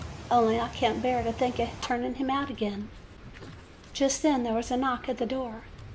Only I can't bear to think of turning him out again.' "Just then there was a knock at the door.